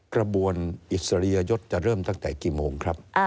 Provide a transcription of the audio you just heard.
กระบวนอิสริยยศจะเริ่มตั้งแต่กี่โมงครับ